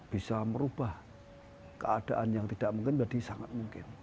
bisa merubah keadaan yang tidak mungkin berarti sangat mungkin